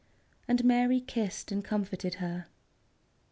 And Mary kissed and comforted her.